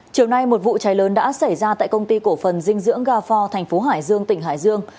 chiều nay một vụ cháy lớn đã xảy ra tại công ty cổ phần dinh dưỡng ga pho thành phố hải dương tỉnh hải dương